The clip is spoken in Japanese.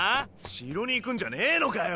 城に行くんじゃねぇのかよ